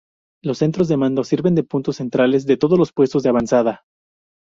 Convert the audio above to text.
Los centros de mando sirven de puntos centrales de todos los puestos de avanzada.